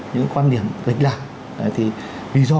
những quan điểm rất là thì vì do